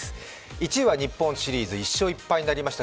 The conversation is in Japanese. １位は日本シリーズ、１勝１敗になりました。